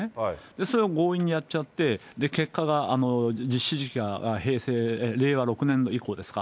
それを強引にやっちゃって、結果が実施時期が令和６年度以降ですか。